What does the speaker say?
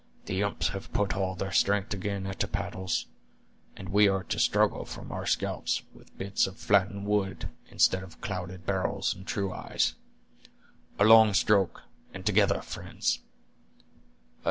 "The imps have put all their strength again at the paddles, and we are to struggle for our scalps with bits of flattened wood, instead of clouded barrels and true eyes. A long stroke, and together, friends."